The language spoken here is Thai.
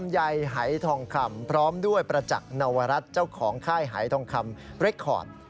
ใยหายทองคำพร้อมด้วยประจักษ์นวรัฐเจ้าของค่ายหายทองคำเรคคอร์ด